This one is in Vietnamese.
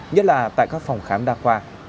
nhất là tại các phòng khám đa khoa